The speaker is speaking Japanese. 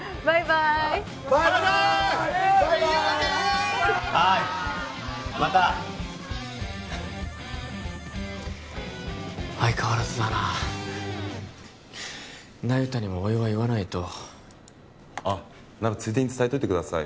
シーユーアゲインはーいまた相変わらずだなあ那由他にもお祝い言わないとあっならついでに伝えといてください